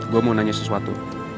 gue mau nanya sesuatu